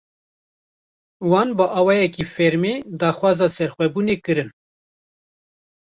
Wan bi awayekî fermî, daxwaza serxwebûnê kirin